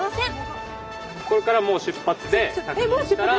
これからもう出発で確認したら。